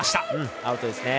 アウトですね。